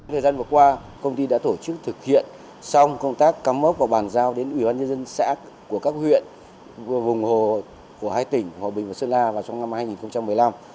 thời gian vừa qua công ty đã tổ chức thực hiện xong công tác cắm mốc và bàn giao đến ủy ban nhân dân của các huyện vùng hồ của hai tỉnh hòa bình và sơn la vào trong năm hai nghìn một mươi năm